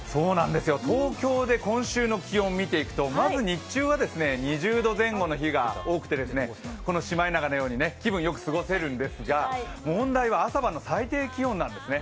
東京で今週の気温、見ていくとまず日中は２０度前後の日が多くてこのシマエナガのように気分よく過ごせるんですが問題は朝晩の最低気温なんですね。